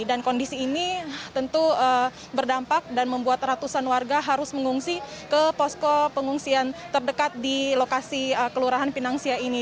dan kondisi ini tentu berdampak dan membuat ratusan warga harus mengungsi ke posko pengungsian terdekat di lokasi kelurahan pinangsia ini